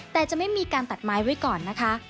แต่จะไม่มีการตัดไม้ไว้ก่อนนะคะ